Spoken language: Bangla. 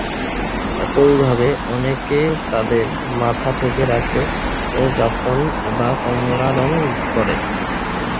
একইভাবে, অনেকে তাদের মাথা ঢেকে রাখে ও জাফরান বা কমলা রঙ করে।